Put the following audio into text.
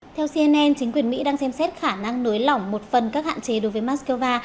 theo cnn chính quyền mỹ đang xem xét khả năng nới lỏng một phần các hạn chế đối với moscow